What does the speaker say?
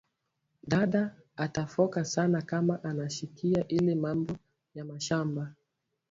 Dada ata foka sana kama anashikia ile mambo ya mashamba